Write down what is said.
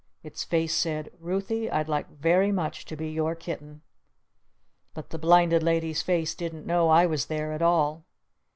Its face said "Ruthy, I'd like very much to be your kitten!" But the Blinded Lady's face didn't know I was there at all.